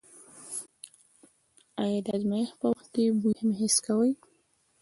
آیا د ازمایښت په وخت کې بوی هم حس کوئ؟